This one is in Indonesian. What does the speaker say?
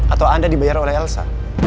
atau anda dibayar oleh elsa